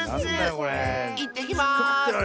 いってきます！